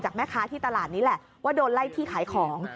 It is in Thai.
แม่ค้าที่ตลาดนี้แหละว่าโดนไล่ที่ขายของ